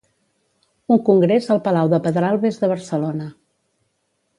Un Congrés al Palau de Pedralbes de Barcelona.